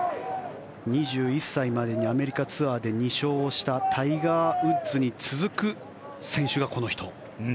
２１歳までにアメリカツアーで２勝をしたタイガー・ウッズに続く選手がこの人。